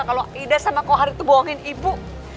kalau ida sama kohar itu bohongin ibu